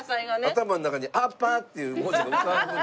頭の中に「アパ」っていう文字が浮かぶのよ。